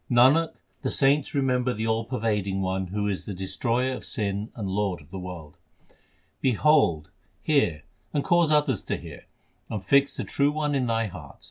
HYMNS OF GURU ARJAN 371 Nanak, the saints remember the All pervading who is the Destroyer of sin and Lord of the world. Behold, hear, and cause others to hear, and fix the True One in thy heart.